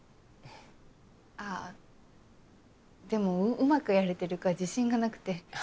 あっでもうまくやれてるか自信がなくて。